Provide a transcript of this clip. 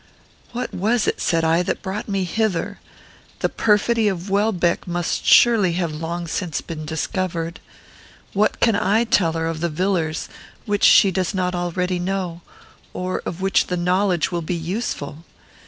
"What was it," said I, "that brought me hither? The perfidy of Welbeck must surely have long since been discovered. What can I tell her of the Villars which she does not already know, or of which the knowledge will be useful?